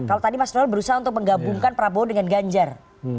kalau tadi mas donald berusaha untuk menggabungkan prabowo dengan ganjar